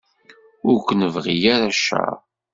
Ur k-nebɣi ara cceṛ.